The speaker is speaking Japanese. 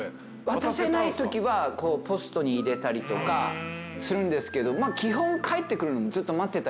渡せないときはポストに入れたりとかするんですけど基本。